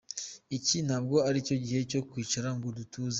Iki ntabwo ari cyo gihe cyo kwicara ngo dutuze.